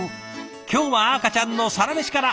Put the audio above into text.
今日は赤ちゃんのサラメシから。